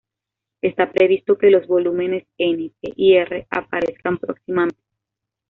Está previsto que los volúmenes N, P y R aparezcan próximamente.